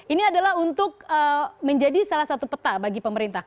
ini adalah untuk menjadi salah satu peta bagi pemerintah